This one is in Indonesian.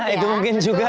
nah itu mungkin juga